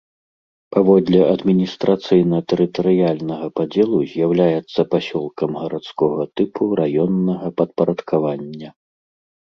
Паводле адміністрацыйна-тэрытарыяльнага падзелу з'яўляецца пасёлкам гарадскога тыпу раённага падпарадкавання.